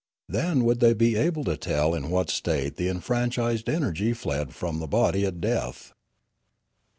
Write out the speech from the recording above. Then would they be able to tell in what state the enfranchised energy fled from the body at death.